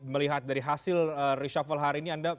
melihat dari hasil reshuffle hari ini anda